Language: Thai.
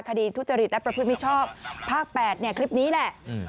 ทุจริตและประพฤติมิชชอบภาค๘เนี่ยคลิปนี้แหละ